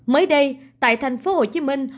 mới đây tại thành phố hồ chí minh